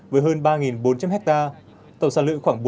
với hơn ba bốn trăm linh ha tổng sản lượng